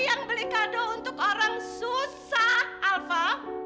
eyang beli kado untuk orang susah alva